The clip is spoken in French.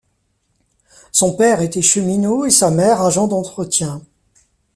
Son père était cheminot et sa mère agent d'entretien.